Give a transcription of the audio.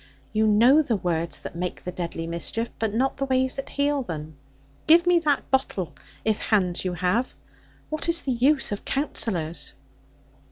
You know the words that make the deadly mischief; but not the ways that heal them. Give me that bottle, if hands you have; what is the use of Counsellors?'